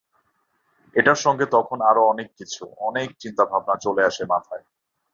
এটার সঙ্গে তখন আরও অনেক কিছু, অনেক চিন্তাভাবনা চলে আসে মাথায়।